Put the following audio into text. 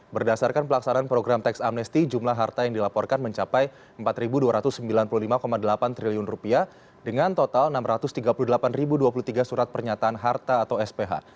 berdasarkan pelaksanaan program teks amnesti jumlah harta yang dilaporkan mencapai rp empat dua ratus sembilan puluh lima delapan triliun dengan total rp enam ratus tiga puluh delapan dua puluh tiga surat pernyataan harta atau sph